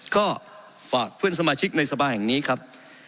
ก็ฝากเพื่อนสมาชิกในสภาแห่งนี้ครับ